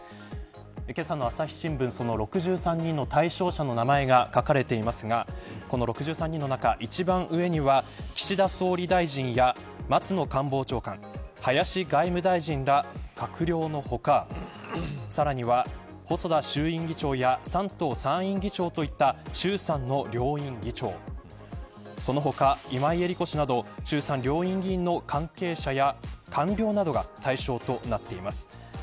けさの朝日新聞、その６３人の対象者の名前が書かれていますがこの６３人の中、一番上には岸田総理大臣や松野官房長官林外務大臣ら閣僚の他さらには細田衆院議長や山東参院議長といった衆参の両院議長その他、今井絵理子氏など衆参両院議員の関係者や官僚などが対象となっています。